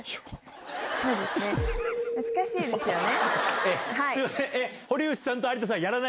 難しいですよね。